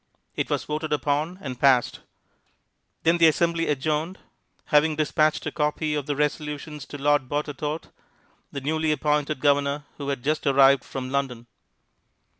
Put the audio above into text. It was voted upon and passed. Then the Assembly adjourned, having dispatched a copy of the resolutions to Lord Boutetourt, the newly appointed Governor who had just arrived from London.